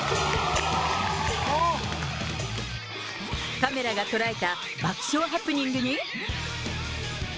カメラが捉えた爆笑ハプニングに。